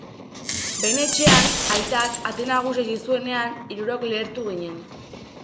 Behin etxean, aitak ate nagusia itxi zuenean, hirurok lehertu ginen.